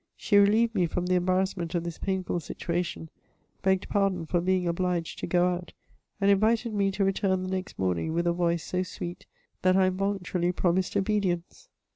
She relieved me from the embarrassment of this painful situation — ^begged pardon for being obliged to go out, and invited me to return the next morning with a voice so sweet, that I involuntarily promised obedience.